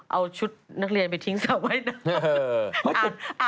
เอาชุดนักเรียนไปทิ้งสระว่ายน้ำ